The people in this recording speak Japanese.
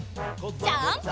ジャンプ！